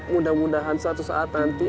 mudah mudahan suatu saat nanti